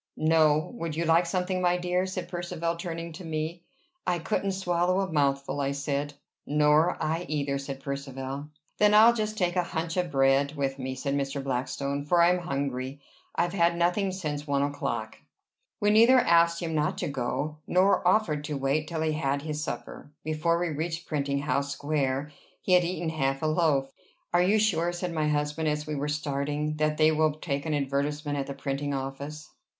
"No. Would you like something, my dear?" said Percivale turning to me. "I couldn't swallow a mouthful," I said. "Nor I either," said Percivale. "Then I'll just take a hunch of bread with me," said Mr. Blackstone, "for I am hungry. I've had nothing since one o'clock." We neither asked him not to go, nor offered to wait till he had had his supper. Before we reached Printing House Square he had eaten half a loaf. "Are you sure," said my husband, as we were starting, "that they will take an advertisement at the printing office?"